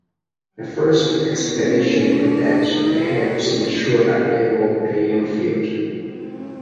The first explanation is that it helps ensure a level playing field.